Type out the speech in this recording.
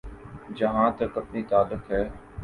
جہاں تک اپنا تعلق ہے۔